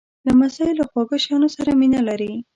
لمسی له خواږه شیانو سره مینه لري.